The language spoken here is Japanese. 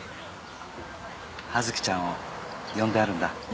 葉月ちゃんを呼んであるんだ。